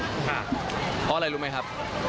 เพราะอะไรรู้ไหมครับ